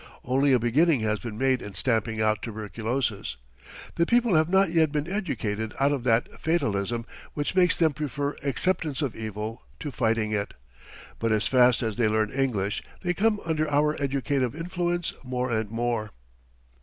Only a beginning has been made in stamping out tuberculosis. The people have not yet been educated out of that fatalism which makes them prefer acceptance of evil to fighting it. But as fast as they learn English they come under our educative influence more and more.